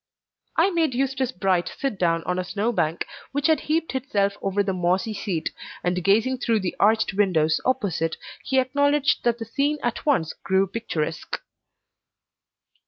I made Eustace Bright sit down on a snow bank, which had heaped itself over the mossy seat, and gazing through the arched windows opposite, he acknowledged that the scene at once grew picturesque.